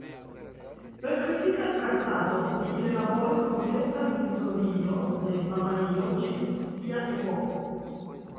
Per kritika traktado, li ellaboris kompletan historio de Bavario ĝis sia epoko.